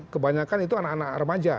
kebanyakan itu anak anak remaja